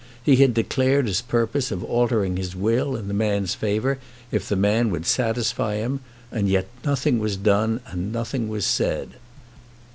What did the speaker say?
He had declared his purpose of altering his will in the man's favour, if the man would satisfy him. And yet nothing was done and nothing was said.